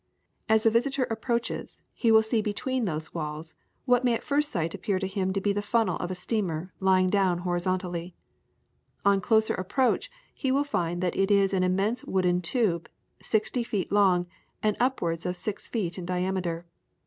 As the visitor approaches, he will see between those walls what may at first sight appear to him to be the funnel of a steamer lying down horizontally. On closer approach he will find that it is an immense wooden tube, sixty feet long, and upwards of six feet in diameter.